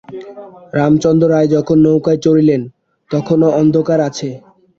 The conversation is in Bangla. রামচন্দ্র রায় যখন নৌকায় চড়িলেন, তখনাে অন্ধকার আছে।